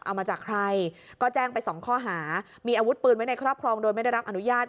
เอามาจากใครก็แจ้งไปสองข้อหามีอาวุธปืนไว้ในครอบครองโดยไม่ได้รับอนุญาต